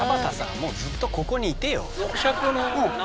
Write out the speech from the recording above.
もうずっとここにいてよ。